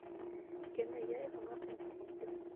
Кәмә яй ғына алға йөҙҙө.